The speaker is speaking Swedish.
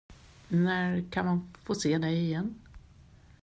När kan man få se dig igen?